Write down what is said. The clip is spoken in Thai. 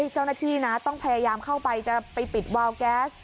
เจ้าหน้าที่นะต้องพยายามเข้าไปจะไปปิดวาวแก๊ส